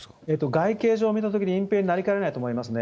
外形上、見たときに、隠蔽になりかねないと思いますね。